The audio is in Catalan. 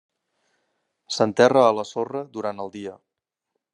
S'enterra a la sorra durant el dia.